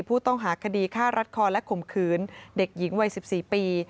ผู้ต้องหาคดีฆ่ารัดคอและข่มขืนเด็กหญิงวัย๑๔ปี